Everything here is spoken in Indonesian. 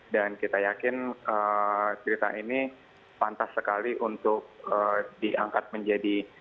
dan kita yakin cerita ini pantas sekali untuk diangkat menjadi sebuah video klip